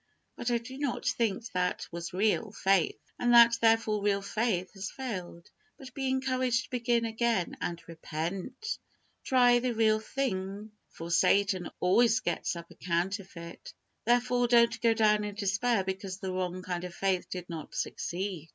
But do not think that was real faith, and that therefore real faith has failed, but be encouraged to begin again, and repent. Try the real thing, for Satan always gets up a counterfeit. Therefore, don't go down in despair because the wrong kind of faith did not succeed.